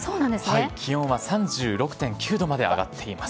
気温は３６．９度まで上がっています。